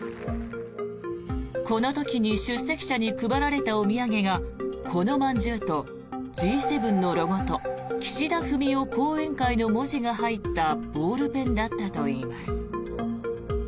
この時に出席者に配られたお土産がこのまんじゅうとＧ７のロゴと「岸田文雄後援会」の文字が入ったボールペンだったといいます。